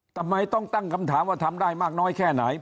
ทำไมต้องตั้งคำถามว่าทำได้มากน้อยแค่ไหน